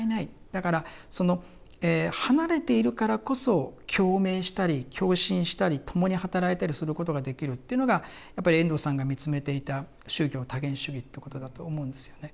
だからその離れているからこそ共鳴したり共振したり共に働いたりすることができるっていうのがやっぱり遠藤さんが見つめていた宗教多元主義ということだと思うんですよね。